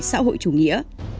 xã hội chủ nghĩa